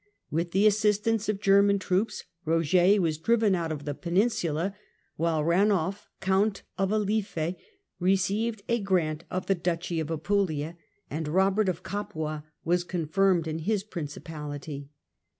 With the assistance of German troops Eoger was driven out of the peninsula, while Eainulf Count of Alife received a grant of the duchy of Apulia, and Kobert of Capua was confirmed in his principality.